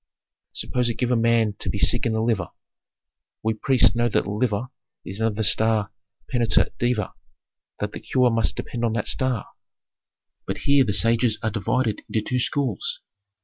"Suppose a given man to be sick in the liver. We priests know that the liver is under the star Peneter Deva, that the cure must depend on that star. Planet Venus. "But here the sages are divided into two schools.